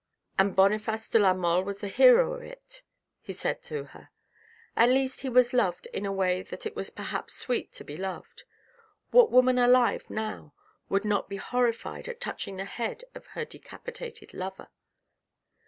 "And Boniface de la Mole was the hero of it," he said to her. " At least he was loved in a way that it is perhaps sweet to be loved. What woman alive now would not be horrified at touching the head of her decapitated lover